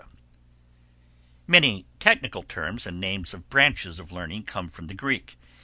Many technical terms and names of branches of learning come from the Greek.